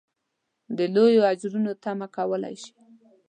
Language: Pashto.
د لویو اجرونو تمه کولای شي.